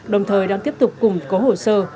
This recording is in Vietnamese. đồng thời đang tiếp tục cùng có hồ sơ